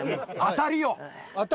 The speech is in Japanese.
当たりよ。